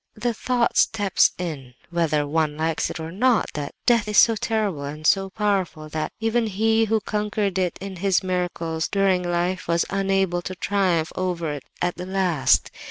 "The thought steps in, whether one likes it or no, that death is so terrible and so powerful, that even He who conquered it in His miracles during life was unable to triumph over it at the last.